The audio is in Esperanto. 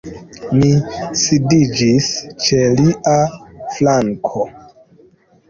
Mi sidiĝis ĉe lia flanko.